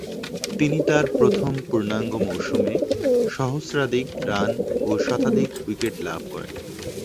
তিনি তার প্রথম পূর্ণাঙ্গ মৌসুমে সহস্রাধিক রান ও শতাধিক উইকেট লাভ করেন।